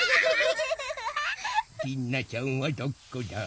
りなちゃんはどこだ？